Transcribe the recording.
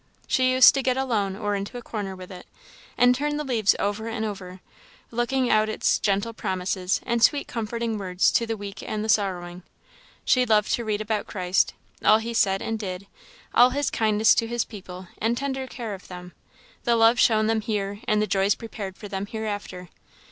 She used to get alone or into a corner with it, and turn the leaves over and over; looking out its gentle promises, and sweet comforting words to the weak and the sorrowing. She loved to read about Christ all he said and did; all his kindness to his people, and tender care of them; the love shown them here and the joys prepared for them hereafter.